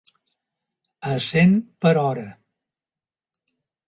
A cent per hora.